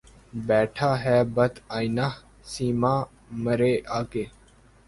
بیٹھا ہے بت آئنہ سیما مرے آگے